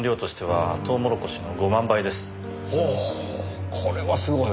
おおこれはすごい。